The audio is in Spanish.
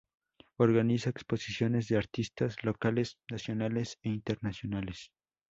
Organiza exposiciones de artistas locales, nacionales e internacionales.